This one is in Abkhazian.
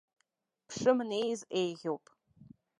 Бшымнеиз еиӷьуп.